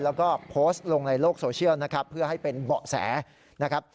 แล้วก็โพสต์ลงในโลกโซเชียลนะครับเพื่อให้เป็นเบาะแสนะครับ